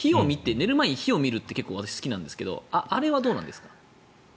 寝る前に火を見るのが私は好きなんですがあれはどうなんですか。